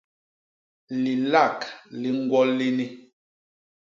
Lilak li ñgwo lini.